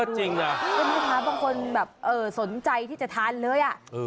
ก็นี่ค่ะบางคนแบบสนใจที่จะทานเลยอ่ะ